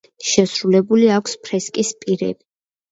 შესრულებული აქვს ფრესკის პირები.